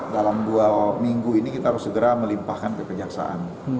dalam dua minggu ini kita harus segera melimpahkan kekejaksaan